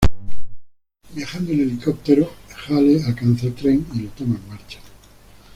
Viajando en helicóptero Hale alcanza al tren y lo toma en marcha.